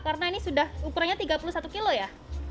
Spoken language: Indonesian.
karena ini sudah ukurannya tiga puluh satu kilo ya